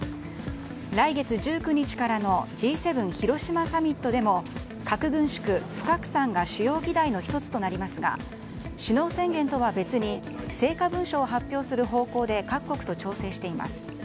来月１９日からのＧ７広島サミットでも核軍縮・不拡散が主要議題の１つとなりますが首脳宣言とは別に成果文書を発表する方向で各国と調整しています。